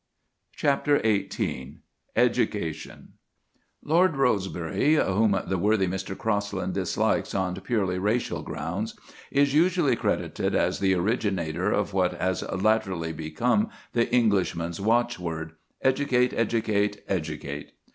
CHAPTER XVIII EDUCATION Lord Rosebery, whom the worthy Mr. Crosland dislikes on purely racial grounds, is usually credited as the originator of what has latterly become the Englishman's watchword, "Educate, educate, educate!"